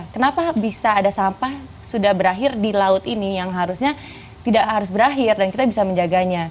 kenapa bisa ada sampah sudah berakhir di laut ini yang harusnya tidak harus berakhir dan kita bisa menjaganya